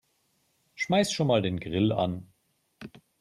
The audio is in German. Schmeiß schon mal den Grill an.